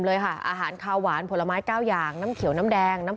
อาหารคาวหวานผลไม้เก้าอย่างน้ำเขียวน้ำแดงน้ำ